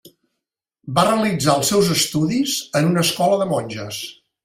Va realitzar els seus estudis en una escola de monges.